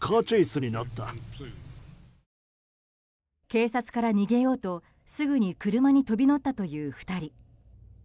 警察から逃げようとすぐに車に飛び乗ったという２人。